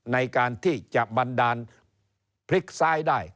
ในการที่จะบันดาลพลิกซ้ายได้